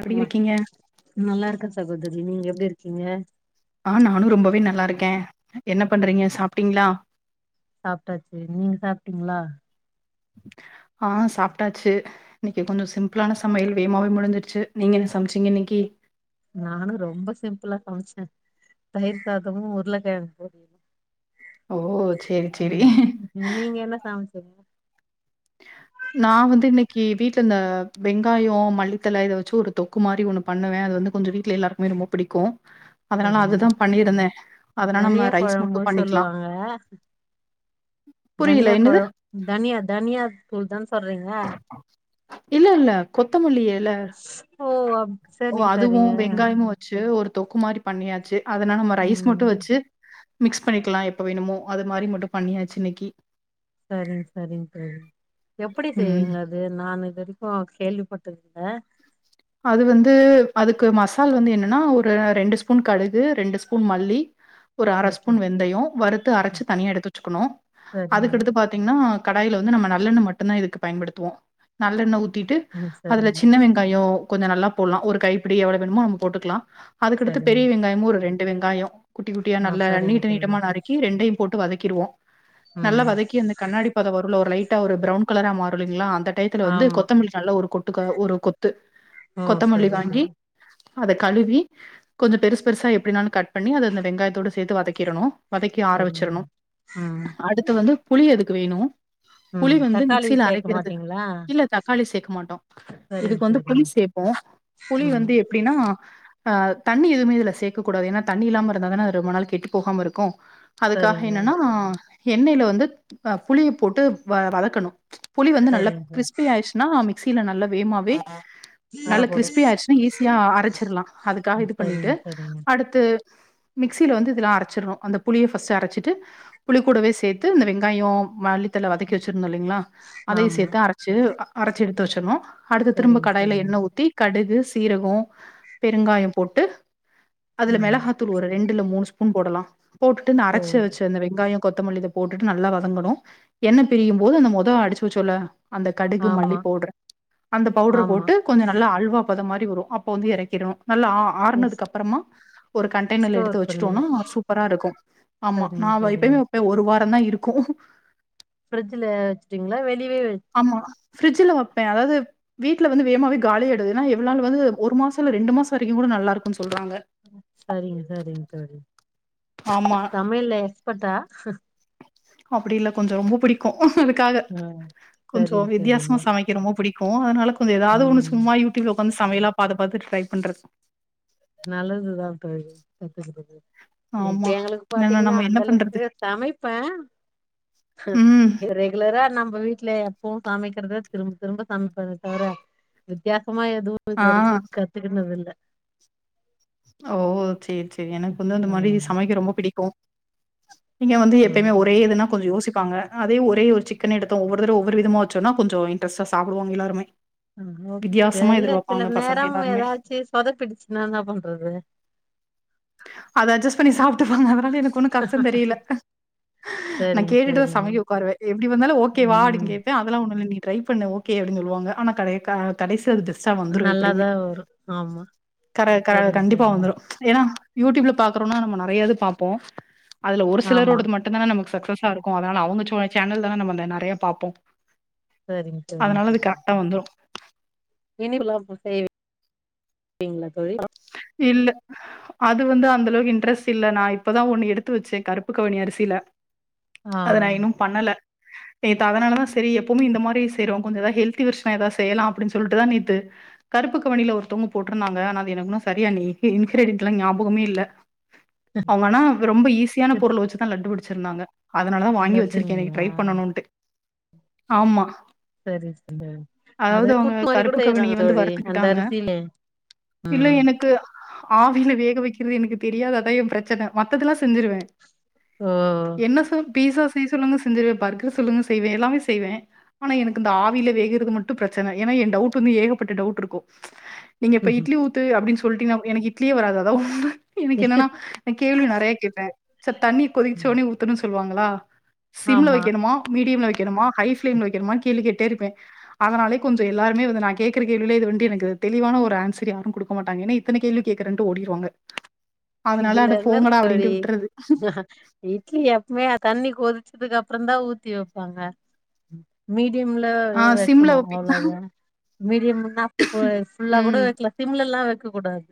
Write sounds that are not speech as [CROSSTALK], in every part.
எப்டி ஆமா இருக்கீங்க நல்லா இருக்க சகோதரி நீங்க எப்டி இருக்கீங்க ஆ நானு ரொம்பவே நல்லா இருக்கே என்ன பண்றீங்க சாப்ட்டீங்ளா சாப்ட்டாச்சு நீங்க சாப்ட்டிங்ளா ஆ சாப்ட்டாச்சு இன்னைக்கு கொஞ்சோ சிம்ப்ளான சமையல் வேகமாவே முடிஞ்சடுச்சு நீங்க என்ன சமைச்சிங்க இன்னைக்கு நானும் ரொம்ப சிம்பிளா சமைச்சே தயிர் சாதமு உருளை கெழங்கு பொறியலு ஓ செரி செரி நீங்க என்ன சமைச்சுங்க நான் வந்து இன்னைக்கு வீட்ல் இந்த வெங்காயம் மல்லித்தழ இதை வெச்சு ஒரு தொக்கு குமாரி ஒண்ணு பண்ணுவ அது வந்து கொஞ்சோ வீட்ல எல்லாருக்குமே ரொம்ப புடிக்கு அதனால சரிங்க அதுதா பண்ணிருந்த அதனா நம்ம தனியா ரைஸ் மட்டு கொழம்பு பண்ணிகலா சொல்லுவாங்க தனியா குழம் தனியா தனியா தூள் தான சொல்றீங்க இல்ல இல்ல கொத்தமல்லி எல ஓ அப் ஓ சரிங்க அதுவு சரிங்க வெங்காயமு வ ச்சு ஒரு தொக்கு மாரி பண்ணியாச்சு அதனால நம்ம ரைஸ் மட் டு ம் வச்சு மிக்ஸ் பண்ணிக்லா எப்ப வேணுமோ அது மாரி மட்டு பண்ணியாச்சு இன்னைக்கு சரி சரி சரி எப்டி ம். செய்வீங்க அது நான் இது வரைக்கு கேள்விப்பட்டதில்ல அது வந்து அதுக்கு மசால் வந்து என்னனா ஒரு ரெண்டு ஸ்பூன் கடுகு ரெண்டு ஸ்பூன் மல்லி ஒரு அர ஓகே ஸ்பூன் வெந்தயம் வறுத்து அரைச்சு தனியா எடுத்து வச்சுக்கணு சரிங்க அதுக்கடுத்து பாத் பாத்தீங்னா கடாயில வந்து நம்ம நல்லெண்ணெ மட்டுந்தான் இதுக்கு பயன்டுத்துவோ நல்லெண்ணெ ஊத்திட்டு ம் அதுல சரிங்க சின்ன வெங்காய கொஞ்சோ நல்லா போட்லா ஒரு கைப்பிடி எவ்ளோ வேணுமோ நம்ம போட்டுக்லா அதுக்கடுத்து சரிங்க பெரிய வெங்காயமு ஒரு ரெண்டு வெங்காய குட்டி குட்டியா ஆ நல்ல சரிங்க நீட்ட தோழி நீட்டமா நறுக்கி ரெண்டையு போட்டு வதக்கிடுவோ நல்லா ம் வதக்கி அந்த கண்ணாடி பதம் வருல ஒரு லைட்டா ஒரு பிரவுன் கலரா மாறுல்லீங்களா அந்த டயத்துல வந்து ஆமா கொத்தமல்லி நல்ல ஒரு கொட்டுக் ஒரு கொத்து ஓ கொத்தமல்லி சரி வாங்கி சரி அத கழுவி கொஞ்சோ பெருசு பெருசா எப்டினாலு கட் பண்ணி அதை அந்த வெங்காயத்தோட சேத்து வதக்கிடணு வதக்கி ஆற சரிங்க வச்சிரணு ம் அடுத்து வந்து புளி அதுக்கு வேணு ம் புளி வந்து தக்காளி மிக்சில சேக்க அரைக்கறது மாட்டீங்களா இல்ல தக்காளி சேக்க மாட்டோ சரிங்க இதுக்கு வந்து புளி சரிங்க சேப்போ புளி ம் வந்து எப்டின்னா ஆ தண்ணி எதுவுமே இதுல சேக்க கூடாது ஏன்னா தண்ணி இல்லாம இருந்தாதான அது ரொம்ப நாளு கெட்டு போகாம இருக்கு அதுக்காக சரிங்க என்னனா எண்ணெய்ல வந்து அ புளிய போட்டு வ வதக்கணு புளி வந்து நல்லா சரிங்க சார். கிறிஸ்பி ஆய்ச்சுன்னா மிக்சில நல்லா வேமாவே அர நல்ல போடு கிறிஸ்பி ஆய்டுச்சுன்னா ஈஸியா அரைச்சிட்லா அதுக்காக இது பண்ணிட்டு சரிங்க சரிங்க அடுத் து மிக்சில வந்து இதெல்லாம் அரச்சிர்னு அந்த புளிய ஃபர்ஸ்ட் அரச்சிட்டு புளிகூடவே சேத்து இந்த வெங்காயம் மல்லி த்துல வதக்கி வச்சிருந்தோல்லைஙளா அதையு ஆமா சேத்து அரச்சு அரச்சு எடுத்து வச்சறனு அடுத்து திரும்ப சரிங்க கடாய்ல சரிங்க எண்ணெ ஊத்தி கடுகு சீரகம் பெருங்காய போட்டு அதுல ம் மெளகாத்தூள் ஒரு ரெண்டு இல்ல மூணு ஸ்பூன் போடலா போட்டுட்டு நா ஓ அரச்சு வச்சு அந்த வெங்காய கொத்தமல்லி இத போட்டுட்டு நல்லா வதங்கணு எண்ணெ பிரியும் போது அந்த மொதல்ல அடிச்சு வச்சோல்ல அந்த கடுகு மல்லி ஆமா பவுடர் அந்த பவுட்ர ஆமா போட்டு கொஞ்சோ நல்லா அல்வா பத மாரி வரு அப்ப வந்து இறக்கிடணு நல்லா ம் ஆறுனதுக்கு அப்பறமா ஒரு கண்டெய்னர்ல ஸ்டோர் எடுத்து பண்ணி வச்சுட்டோனா சூப்பரா இருக்கு ஆமா சரிங்க நா சரிங்க எப்பமே ஒரு வாரதா இருக்கு பிரிஃட்ஜ்ல வச்சுட்டீங்ளா வெளியவே ஆமா பிரிஃட்ஜ்ல வப்பே அதாவது வீட்ல வந்து வேமாவே காலி ஆய்டு ஏனா எல்லால் வந்து ஒரு மாசம் இல்ல ரெண்டு மாசம் வரைக்கு கூட நல்லா இருக்குனு சொல்றாங்க சரிங்க சரிங்க சரிங்க ஆமா சமையல்ல எக்ஸ்பர்ட்டா அப்படி இல்ல கொஞ்சம் ரொம்ப பிடிக்கும் அதுக்காக ம் சரிங்க கொஞ்சம் வித்தியாசமா சரிங்க சமைக் ரொம்ப பிடிக்கும் அதனால கொஞ்சம் எதாவது ம் சும்மா யூடியூப்ல ஒக்காந்து சமையலா பாத்து பாத்து ட்ரை பண்றது நல்லதுதா தோழி கத்துக்குறது இப்ப ஆமா எங்களுக்கு என்னன்னா பாத்தீங்கன்னா நம்ம என்ன அந்த பண்றது அளவுக்கு சமைப்பே ஆ ம் இவரு ரெகுலரா நம்ம வீட்டுல எப்பவும் சமைக்கிறத திரும்ப திரும்ப சமைப்பது தவிர வித்தியாசமா எதுவு இது ஆ வரைக்கும் கத்துக்கினது இல்ல ஓ சேரி சேரி எனக்கு வந்து அந்த மாரி ம் சமைக்க ரொம்ப பிடிக்கு நீங்க வந்து எப்பயுமே ஒரே ம் இதுனா கொஞ்ச யோசிப்பாங்க அதே ஒரே‌ஒரு‌ சிக்கன் எடுத்த ஒவ்வொரு தடவையு ஒவ்வொரு விதமா வச்சோம்னா கொஞ்சம் இன்ர்டஸ்ட்சா சாப்பிடுவாங்க எல்லாருமே ஓகே வித்தியாசமா இல்ல எதிர்பார்ப்பாங்க சில பசங்க நேர எல்லாருமே. எதாச்சு சொதப்பிடிச்சுன்னா என்ன பண்றது அத அட்ஜஸ்ட் பண்ணி சாப்டுபாங்க வேற என்ன ஒன்னும் கஷ்ட தெரியல நா சரிங்க கேட்டுட்டுதா நா சரிங்க சமைக்க உக்காருவே எப்டி வந்தாலு ஓகே வா ம் அப்டினு அதெல்லா ஒண்ணு இல்ல‌ நீ ட்ரை பண்ணு ஓகே அப்படினு சொல்லுவாங்க ஆனா கடே கா கடைசியா அது பெஸ்ட்டா வந்துரும் எப்டியுமே நல்லாதா வரு ஆமா கரே க சரிங்க கண்டிப்பா சரிங்க வந்துடும் ஏன்னா யூடியூப்ல பா்கறோம்னா நம்ம நறையாது பாப்போ அதுல ஒரு ஆமா சிலரோடது மட் டுந்தா நமக்கு சக்சஸ்ஸா இருக்கும் அதனால அவங்க சேனல்ல தா நாம்ம நறைய பாப்போ சரிங்க சரிங்க அதுனால அது கரெக்டா வந்துரு [UNINTELLIGIBLE] லா செய்வீங்களா தோழி இல்ல அது வந்து அந்த அளவுக்கு இன்ட்ரெஸ்ட் இல்ல நா இப்பதா ஒண்ணு எடுத்து வச்சே கருப்பு கவுனி அரிசில ஆ அத நா இன்னும் பண்ணல நேத்து அதனாலதா சேரி எப்பவுமே இந்த மாரி செய்றோ கொஞ்ச‌ எதாவது ஹெல்தி விஷய எதாவ செய்யலாம் அப்படின்னு சொல்ட்டுதா நே‌த்து கருப்புக்க கவுனில ஒருத்தங்க போட்ருந்தாங்க ஆனா அது எனக்கு இன்னு சரியா நீ கி இன்கிரிடன்ட்ஸ்லா ஞாபகமே இல்ல அவங்க ஆனா ரொம்ப ஈஸியான பொருள் வச்சு லட்டு பிடிச்சிருந்தாங்க அதனால தான் வாங்கி வச்சிருக்கே இன்னக்கி ட்ரை லட்டுங்களா பண்ணனும்டு ஆமா சரி சரி அதாவது அது அவங்க புட்டு மாதிரி கூட கருப்பு செய்யறாங்க கவுனிய வந்து தோழி அந்த வறுத்துக்கிட்டாங்க அரிசிலே இல்ல ம் எனக் கு ஆவில வேக வைக்கிறது எனக்கு தெரியாது அதா எ பிரச்சன மத்ததெல்லா செஞ்சிருவே ஓ என்ன சொல் பீஸா செய் சொல்லுங்க செஞ்சுருவே பர்கர் சொல்லுங்க செய்வே எல்லாமே செய்வே ஆனா எனக்கு இந்த ஆவில வேகறது மட்டு பிரச்சன ஏன்னா என் டவுட் வந்து ஏகப்பட்ட டவுட் இருக்கு நீங்க இப்ப இட்லி ஊத்து அப்டின் சொல்ட்டினா எனக் இட்லியே வராது அதா ஒன்னு எனக்கு என்னனா நா கேள்வி நறைய கேப்பே சர் தண்ணி கொதிச்ச ஒட்னே ஊத்தணு சொல்வாங்களா சிம்ல ஆமா வெக்கணுமா மீடியம்ல வெக்கணுமா ஹை ஃப்ளேம்ல வெக்கணுமா கேள்வி கேட்டேருப்பே அதனாலே கொஞ்சோ எல்லாருமே வந்து நா கேக்கற கேள்விலே இது வன்ட்டு எனக்கு தெளிவான ஒரு ஆன்சர் யாரு குடுக்க மாட்டாங்க ஏன்ன இத்தன கேள்வி கேக்குறன்ட்டு ஓடீறுவாங்க அதனால இதுல அட என்ன இருக்கு போங்கடா தோழி அப்டின்ட்டு விட்றது இட்லி எப்மே ஆ தண்ணி கொதிச்சதுக்கப்றோ தா ஊத்தி வெப்பாங்க மீடியம்ல ஆ எ சிம்ல வெக்கணு வைப்பீங்களா? அவ்ளோதா மீடியம் முன்னா ஃபு ஃபுல்லா கூட ம் வெக்லா சிம்லல்லா வெக்கக் கூடாது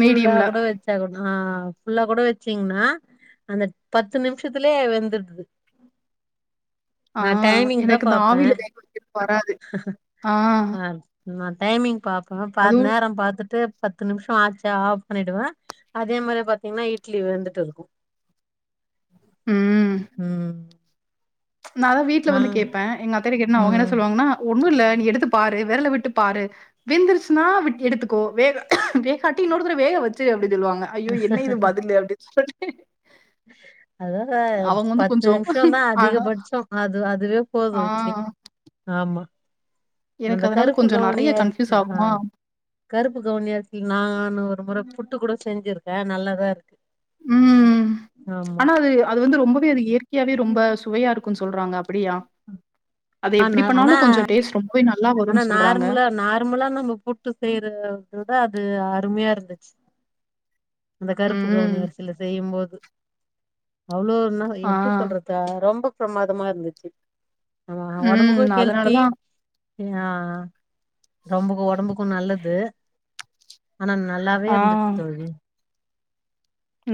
ஃபுல்லா மீடியம்ல. குட வெச்சாக்குட ஆ ஃபுல்லா கூட வெச்சீங்ன்னா அந்த பத்து நிம்ஷத்லே வெந்துர்து [INAUDIBLE] ஆ டைமிங் தா எனக்கு இந்த பாப்பே ஆவில வேக வெக்றது வராது ஆ நா டைமிங் பாப்பே பாத்துனு அதுவும் நேரம் பாத்துட்டு பத்து நிமிஷொ ஆச்சு ஆஃப் பண்ணிடுவே அதே மாரி பாத்தீங்கன்னா இட்லி வெந்துட்டு இருக்கு ம் நா அதா வீட்ல நா வந்து கேப்பே எங்க அத்தட்ட கேட்டேனா அவுங்க என்ன ம் சொல்லுவாங்கன்னா ஒண்ணு இல்ல நீ எடுத்து பாரு விரல விட்டு பாரு வெந்துருச்சுன்னா எடுத்துக்கோ வேக கட்டி இன்னொருத்தற வேக வச்சு அப்டினு சொல்லுவாங்க ஐயோ என்ன இது பதிலு அப்டின்னு சொல்லிட்டு அதா அ அவங்க வந்து பத்து கொஞ்சம் நிம்ஷோ தா அதிக ஆஹா பட்ச்சோ அது அதுவே போது ஆ இட்லி ஆமா எனக்கு அந்த அதனால கருப்பு கொஞ்சம் நெறைய கன்ஃப்யூஸ் கவுனியரிசி ஆ ஆகுமா? கருப்பு கவுனியரிசி நானு ஒரு முறை புட்டு கூட செஞ்சிருக்கே நல்லாதா இருக்கு ம் ஆமா ஆனா அது அது வந்து ரொம்பவே அது இயற்கையாவே ரொம்ப சுவையா இருக் கு சொல்றாங்க அப்டியா அது எப்டி ஆனா பண்ணாலு ஆனா கொஞ்ச டேஸ்ட் ரொம்பவே நல்லா ஆனா வரும்ன்னு சொல்றாங்க. நார்மலா நார்மலா நம்ம புட்டு செய்யறதவிட அது அருமையா இருந்துச்சு அந்த கருப்பு ம். கவுனி அரிசியில செய்யும்போது அவ்வளோ என்ன எப்டி ஆ. சொல்றது த ரொம்ப பிரமாதமா இருந்துச்சு நம்ம ம். ஒடம்புக்கும் ஹெல்த்தி அதனாலதான் ஆ நம்பக்கு ஒடம்புக்கு நல்லது ஆனா நல்லாவே ஆ. இருந்துச்சு தோழி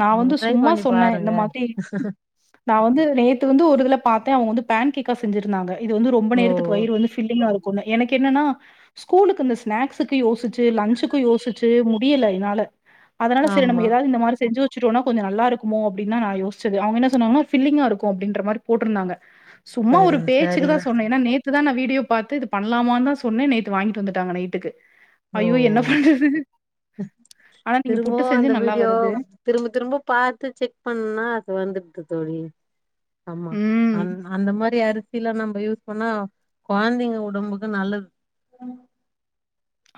நா நீங்க வந்து ட்ரை சும்மா பண்ணி சொன்னே பாருங்க இந்த மாதிரி நா வந்து நேத்து வந்து ஒரு இதுல பாத்தே அவுங்க வந்து பேன் கேக் கா செஞ்சிருந்தாங்க இது வந்து ரொம்ப ஓ நேரத்துக்கு வயிறு வந்து ஃபில்லிங்கா இருக்குனு எனக்கு என்னனா ஸ்கூலுக்கு இந்த ஸ்நாக்ஸுக்கு யோசிச்சு லஞ்சுக்கு யோசிச்சு முடியல எனால அதனால செரி நம்ம ஆமா எதாது இந்த மாரிச் செஞ்சு வச்சுடோனா கொஞ்ச நல்லாருக்குமோ அப்டின்தா நா யோச்சது அவுங்க என்ன சொன்னாங்கனா ஃபிலிங்கா இருக்கு அப்டின்ற மாரி போட்ருந்தாங்க சும்மா ஒரு சரிங்க பேச்சுக்குதா சரிங்க சொன்னே எனா நேத் துதா நா வீடியோ பாத்து இது பண்லாமான்தா சொன்னே நேத்து வாங்கிட்டு வந்துட்டாங்க நைட்டுக்கு ஓ அயோ என்ன பண்றது ஆனா நீங்க புட்டு திரும்பவு செஞ்சு அந்த நல்லா வீடியோ வருது திரும்ப திரும்ப பாத்து செக் பண்ணா அது வந்துர்து தோழி ஆமா ம். அன் அந்த மாரி அரிசிலா நம்ம யூஸ் பண்ணா கொழ்ந்தைங்க உடம்புக்கு நல்லது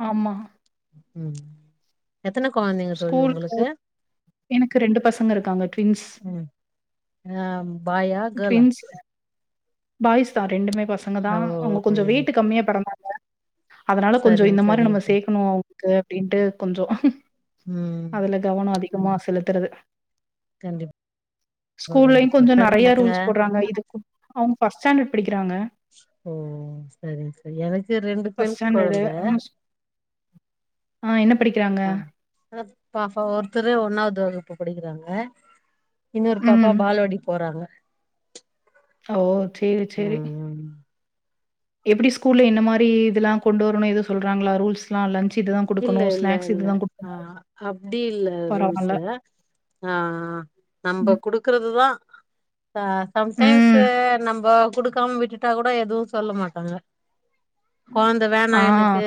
ஆமா ம் எத்தன கொழந்தைங்க தோழி ஸ்கூலுக்கு உங்குளுக்கு எனக்கு பசங்க இருக்காங்க. ட்வின்ஸ். ம் ஆம் பாயா கேலா பாய்ஸ்தா ரெண்டுமே பசங்கதா ஓ அவுங்க கொஞ்சோ வெயிட்டு கம்மியா பெறந்தாங்க அதனால கொஞ்சோ சரிங்க இந்த மாரி சரிங்க நம்ம தோ- சேக்கணு அவுங்குள்க்கு அப்டின்ட்டு கொஞ்சோ ம் அதுல கவனோ அதிகமா செலுத்தறது கண்டிப்பா ஸ்கூல்லயு கண்டிப்பா கொஞ்சோ நெறைய குழந்தைங்க ரூல்ஸ் போட்றாங்க இதுக்கும் அவுங் ஃபர்ஸ்ட் ஸ்டாண்டர்ட் படிக்ராங்க ஓ சரி ச எனக்கு ரெண்டு பெண் ஸ்டாண்டர்டு கொழந்த அ என்ன படிக்றாங்க ஆனாப் பாப்பா ஒருத்தரே ஒன்னாவுது வகுப்பு படிக்கிறாங்க இன்னொரு பாப்பா ம். பால்வாடி போறாங்க ஓ சேரி சேரி ம் ம் எப்டி ஸ்கூல்ல என்ன மாரி இதுலா கொண்டு வரணு எது சொல்றாங்ளா ரூல்ஸ்லா லன்ச்சி இதுதா இல்ல இல்ல இல்ல ஆ அப்டி இல்ல பரவால்ல. ரூல்ஸ்சு அ ஆ நம்ப ம். குடுக்றதுதா ச சம்டைம்ஸ்சு ம். நம்ப குடுக்காம விட்டுட்டா கூட எதுவு சொல்ல மாட்டாங்க கொழந்த வேணா ஆ. எனக்கு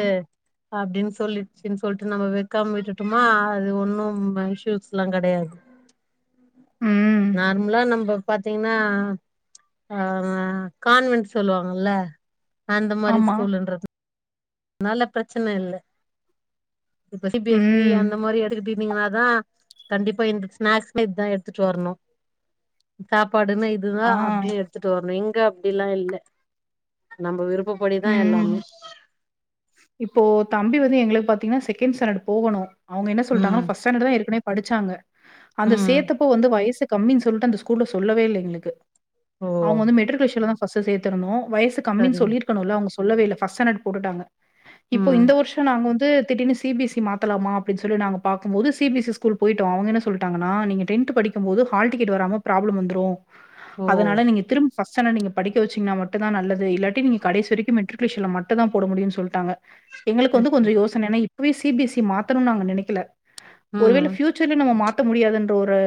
அப்டின் சொ சொல்லிட்ச்சின் சொல்ட்டு நம்ம வெக்காம விட்டுட்டோமா அது ஒன்னும் இஷூயூஸ்லாங் கெடையாது ம். நார்ம்லா நம்பப் பாத்திங்னா அ கான்வென்ட் சொல்லுவாங்கல்ல அந்த மாரி ஆமா. ஸ்கூலுன்றத் னால பிரச்சன இல்ல இப்ப சி பி எஸ் சி ம். அந்த மாரி [UNINTELLIGIBLE] நீங்களாதா கண்டிப்பா இந்த ஸ்நாக்ஸ்னா இத்தா எட்த்துட்டு வர்ணு சாப்பாடுன்னா இதுதா ஆ. அப்டின் எடுத்துட்டு வர்ணு இங்க அப்டிலா இல்ல நம்ப விருப் ப்பபடிதா ம். எல்லாமே இப்போ தம்பி வந்து எங்ளுக் பாத்தீங்னா செகண்ட் ஸாண்டர்ட் போகணு அவுங்க என்ன ம் சொல்ட்டாங்கனா ஃபர்ஸ்ட் ஸாண்டர்ட்தா ஏற்கனவேப் படிச்சாங்க அந்த ம் சேத்தப்போ வந்து வயசு கம்மின் சொல்ட்டு அந்த ஸ்கூல்ல சொல்லவே இல்ல எங்ளுக்கு ஓ அவுங்க வந்து மெட்ரிகுலேஷன்லதா ஃபர்ஸ்ட்டு சேத்துருந்தோ வயசு கம்மின் சரிங்க சொல்லிர்க் கனுல்ல அவுங்க சொல்லவே இல்ல ஃபர்ஸ்ட் ஸ்டாண்டர்ட் போட்டுட்டாங்க இப்போ ம் இந்த ஒர்ஷ் ட்ட நாங்க வந்து திடீனு சி பி எஸ் சி மாத்தலாமா அப்டின் சொல்லி நாங்க பாக்கும் போது C B S C school போய்ட்டோ அவுங் என்ன சொ ல்ட்டாங்கனா நீங்க டென்த்து படிக்கம் போது ஹால் டிக்கெட் வராம ப்ராப்ளம் வந்துரு. ஓ அதுனால நீங்க திரும் ஃபர்ஸ்டான்டடு நீங்க படிக்க வெச்சிங்ன்னா மட் டுதா நல்லது இல்லாட்டி நீங்க கடேசி வரிக்கு மெட்ரிக்குலேஷன்ல மட்டுதா போட முடியுன் சொல்ட்டாங்க. எங்களுக் வந்து ஓகே கொஞ்சோ யோசன ஏனா இப்வே சி பி எஸ்‌ இ மாத்தணுன் நாங்க நெனக்கல ஒரு ம் வேள ஃபியூ ச்சர்ல நம்ம மாத்த முடியாதுன்ற ஒரு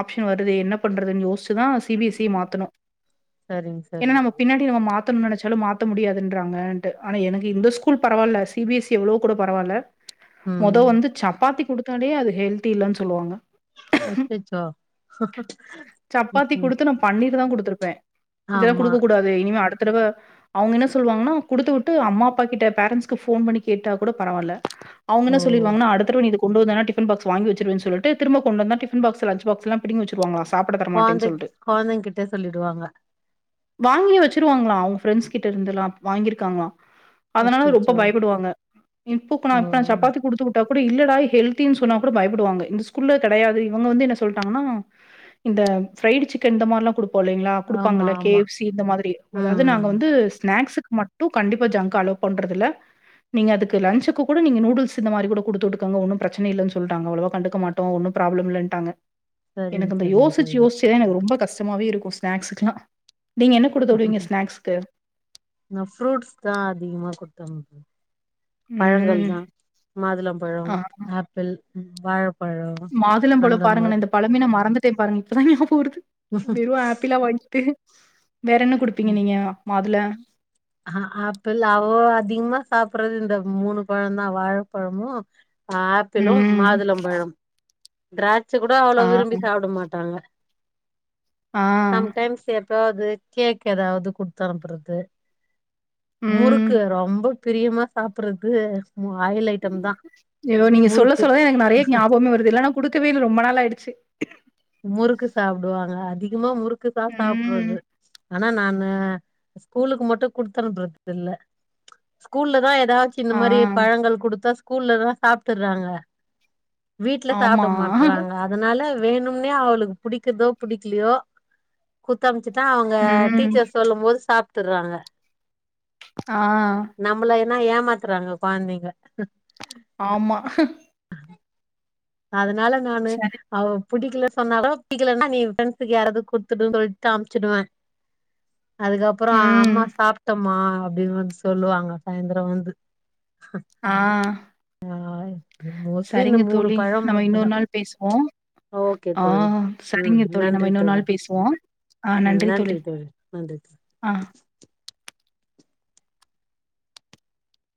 ஆப்ஷன் வருதே என்ன பண்றதுன் யோஸ் ட்டுதா சி பி எஸ் இ ய மாத்துணு. சரிங் எனா சரிங் நம்ம சரி பின்னாடி நம்ம மாத்தன் நெனச்சாலு மாத்த முடியாதுன்றாங்கன்ட்டு ஆனா எனு இது இந்த ஸ்கூல் பரவால்ல சி பி எஸ் இ எவ்ளோ கூட பரவால்ல மொதோ ம் வந்து சப்பாத்தி குடுத் தாலே அது ஹெல்த்தி இல்லன் சொல்லுவாங்க. அச்சச்சோ ம் ம். பன்னீர்தா குடுத்துருப்பே இதல்லா ஆமா குடுக்க கூடா து இனிமே அடுத்தடவ அவுங்க என்ன சொல்வாங்ன்னா குடுத்து உட்டு அம்மாப் பாக் கிட்ட பேரண்ட்ஸ்க்கு ஃபோன் பண்ணி கேட்டா கூட பரவால்ல. அவுங்க ஓ என்ன சொல்லிருவாங்கனா அடுத்தடவ நீ இத க் கொண்டுவந்தேனா டிஃபன் பாக்ஸ் வாங்கி வெச்சிருவேன் சொல்லிட்டு திரும்ப கொண்டு வந்தா டிஃபன் பாக்ஸ் லஞ்ச் பாக்ஸ் எல்லா பிடிங் வெச்சிருவாங்களா சாப்பட தரமாட்டேன் கொழந்தை சொல்ட்டு. கொழந்தைங்கிட்ட சொல்லிடுவாங்க வாங்கியே வெச்சிருவாங்களா அவுங்க ஃப்ரெண்ட்ஸ் கிட்ட இர்ந்தெல்லா வாங்கிருக்காங்களா. அதனால ரொப்போ அச்சச்சோ பயப்படுவாங்க. இப்புக் நா ஓ த சப்பாத்தி குடுத்து உட் டா கூட இல்லடா ஹெல்த்தின் சொன்னா கூட பயப்படுவாங்க இந்த ஸ்கூல்ல கெடையாது இவுங்க வந்து என்ன சொல்ட்டாங்கன்னா இந்த ஃப்ரைடு சிக்கன் இந்த மார்லா குடு போலைங்ளா ஆமா குடுப்பாங்கல்ல கே ஆமா எஃப் சி இந்த மாதிரி அதாவ்து ம் நாங்க வந்து ஸ்நாக்ஸுக் மட் டு கண்டிப்பா ஜங்க் அலோ பண்றதுல்ல. நீங்க அதுக்கு லன்ஞ்சுக்கு கூட நீங்க நூடுல்ஸ் இந்த மாரி கூட குடுத்து உட்டுக்கங்க ஒன்னு ப்ரச்சன இல்லன் சொல்ட்டாங்க அவ்ளவா கண்டுக்க மாட் ட்டோ ஒன்னு ப்ராப்ளம் இல்லட்டாங்க. சரிங் எனக் அந்த சரிங் யோசுச்சு சரிங்க யோஸ்ச்சே எனக் ரொம்ப கஷ்டமாவே இருக்கு ஸ்நாக்ஸுக்லா. நீங்க என்ன குடுத்து விடுவீங்க ஸ்நாக்ஸ்க்கு? நா ஃபுரூட்ஸ்தா அதிகமா குட்த்தம்ப்வே. ம். பழங்கள்தா ஆ மாதுளம்பழம், ஆப்பிள் ம் வாழப் மாதுளம்பழம் பாருங்க நா இந்த பழமே நா மறந்துட்டே பாருங்க இப்பதா ஞாபோ வருது. வெறு ஆப்பிளா வாங்கிட்டு வேற என்ன குடுப்பிங்க நீங்க மாதுள ஆ ஆப்பிள் அவோ அதிகமா சாப்புறது இந்த மூணு பழந்தா வாழப்பழமு அ ஆப்பிளும் ம். மாதுளம்பழம். திராட்ச கூட அவ்ளோ ஆ. விரும்பி சாப்ட மாட்டாங்க‌. ஆ. சம் டைம்ஸ் எப்யாவ்து கேக் எதாவது குட்த்தனுப்புறது. ம். முறுக்கு ரொம்போ பிரியமா சாப்பறது மு ஆயில் ஐ எதோ நீங்க சொல்ல சொல்ல தா எனக் நறைய ஞாபவமே வருது இதெல்லா நா குடுக்கவேல்ல ரொம்ப நாள் ஆய்டுச்சு. முறுக்கு சாப்டுவாங்க அதிகமா முறுக்குதா ம். சாப்ட்றது. ஆனா நானூ ஸ்கூலுக்கு மட்டு குடுத்தனுப்றது தில்ல. கூல்லதா எதாச்சு இந்த ஆ, மாரி பழங்கள் குடுத்தா ஸ்கூல்லதா சாப்ட்டுர்றாங்க. வீட்ல ஆமா. சாப்ட மாட்றாங்க அதுனால வேணும்னே அவளுக் புடிக்குதோ புடிக்லியோ குத்தம்ச்சுட்டா அவுங்க ம். டீச்சர் சொல்லும் போது சாப்ட்டுர்றாங்க. ஆ நம்பளயன்னா ஏமாத்துறாங்க கொழந்தைங்க. ஆமா. அதுனால நானு சரி. அவ புடிக்ல சொன்னாலு புடிக்கலன்னா நீ ஃப்ரெண்ஸுக்கு யாராவது குடுத்துடு சொல்ட்டு அமிச்சுடுவே. அதுக்கப்புறோ ம். அம்மா சாப்ட்டம்மா அப்டின் வந்து சொல்லுவாங்க சாய்ந்தரோ வந்து ஆ ஆ மோஸ்ட்லி இந்த சரிங்க மூணு தோழி பழம் நம்ம இன்னொரு மட்டுந்தா நாள் பேசுவோ ஓகே ஆ தோழி ம் சரிங்க தோழி நம்ம நன்றி இன்னொரு நாள் பே சுவோ ஆ நன்றி தோழி ஆ